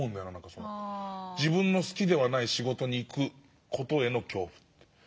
自分の好きではない仕事に行く事への恐怖。